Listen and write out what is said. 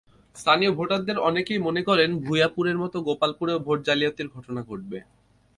স্থানীয় ভোটারদের অনেকেই মনে করেন, ভূঞাপুরের মতো গোপালপুরেও ভোট জালিয়াতির ঘটনা ঘটবে।